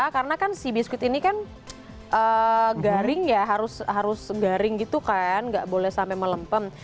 karena kan si biskuit ini kan garing ya harus garing gitu kan nggak boleh sampai melempen